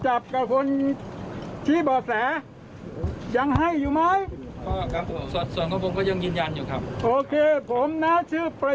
ชื่อผมเบอร์โทรศัพท์มีแน่นะ